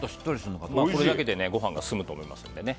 これだけでご飯が進むと思います。